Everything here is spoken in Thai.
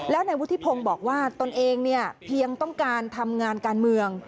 แล้วในวุฒิพงศ์บอกว่าตนเองเนี่ยเพียงต้องการทำงานการเมือง